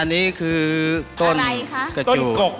อันนี้คือต้นกระจูก